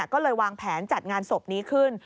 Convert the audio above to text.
ก็เลยวางแผนจัดงานศพนี้ขึ้น